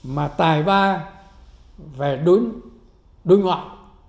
mà tài ba về đối ngoại